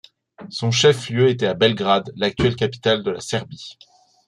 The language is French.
Son chef lieu était à Belgrade, l'actuelle capitale de la Serbie.